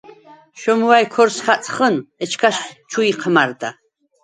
შომვა̄̈ჲ ქორს ხაწხჷნ, ეჩქას ჩუ იჴმა̈რდა.